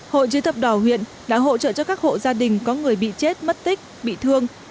hội chữ thập đỏ huyện đã hỗ trợ cho các hộ gia đình có người bị chết mất tích bị thương